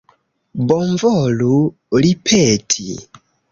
Bonvolu ripeti.